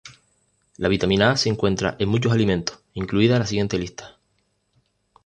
La vitamina A se encuentra en muchos alimentos, incluida la siguiente lista.